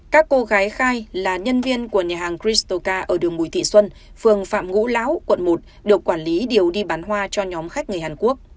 các cô gái khai là nhân viên của nhà hàng crystal car ở đường mùi thị xuân phường phạm ngũ láo quận một được quản lý điều đi bán hoa cho nhóm khách người hàn quốc